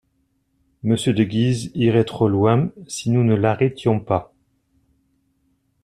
Monsieur de Guise irait trop loin, si nous ne l’arrêtions pas.